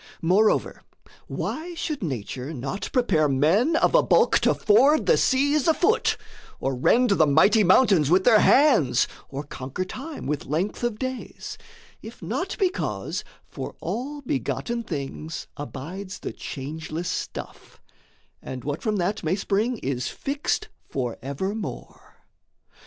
Moreover, why should Nature not prepare Men of a bulk to ford the seas afoot, Or rend the mighty mountains with their hands, Or conquer Time with length of days, if not Because for all begotten things abides The changeless stuff, and what from that may spring Is fixed forevermore?